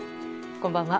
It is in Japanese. こんばんは。